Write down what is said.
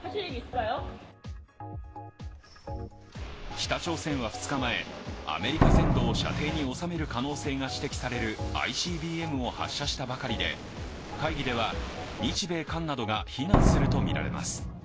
北朝鮮は２日前、アメリカ全土を射程に収める可能性が指摘されるＩＣＢＭを発射したばかりで会議では日米韓などが非難するとみられます。